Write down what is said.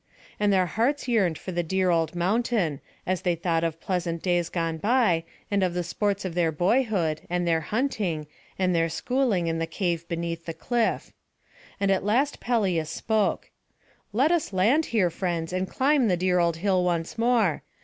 And their hearts yearned for the dear old mountain, as they thought of pleasant days gone by, and of the sports of their boyhood, and their hunting, and their schooling in the cave beneath the cliff. And at last Peleus spoke: "Let us land here, friends, and climb the dear old hill once more.